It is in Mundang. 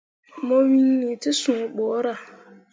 Mo wŋni te sũũ borah.